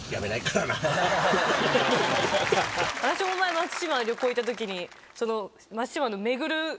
私も前松島旅行行った時に。